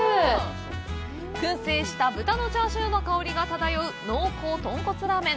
くん製した豚のチャーシューの香りが漂う濃厚とんこつラーメン。